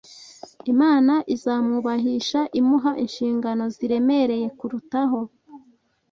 Imana izamwubahisha imuha inshingano ziremereye kurutaho.